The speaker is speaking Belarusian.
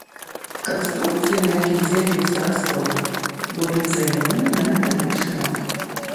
Канструкцыі, на якіх з'явіліся расколіны, будуць заменены на металічныя.